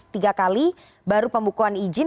tiga kali baru pembukuan izin